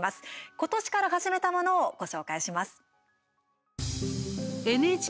今年から始めたものをご紹介します。